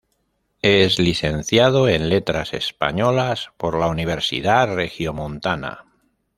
Es Licenciado en Letras Españolas por la Universidad Regiomontana.